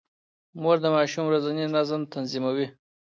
مور د ماشوم ورځنی نظم تنظيموي.